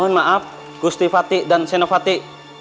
mohon maaf gusti fatih dan senofati